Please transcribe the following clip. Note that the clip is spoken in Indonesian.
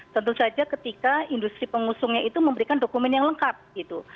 tentu saja ketika industri pengusungnya itu memberikan dokumen yang lengkap gitu